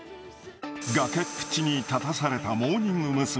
崖っぷちに立たされたモーニング娘。